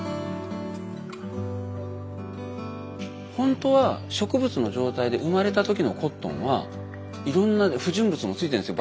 本当は植物の状態で生まれた時のコットンはいろんな不純物もついてるんですよ。